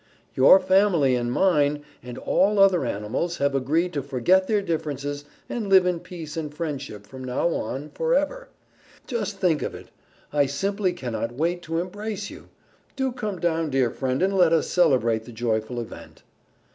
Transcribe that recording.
"Your family and mine and all other animals have agreed to forget their differences and live in peace and friendship from now on forever. Just think of it! I simply cannot wait to embrace you! Do come down, dear friend, and let us celebrate the joyful event."